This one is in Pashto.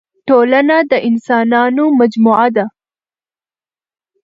ټولنه د اسانانو مجموعه ده.